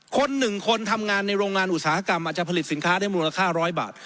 คนหนึ่งคนทำงานในโรงงานอุตสาหกรรมอาจจะผลิตสินค้าได้มูลค่า๑๐๐บาท